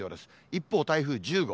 一方、台風１０号。